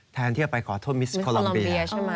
แทนที่จะไปขอโทษมิสโคลอมบี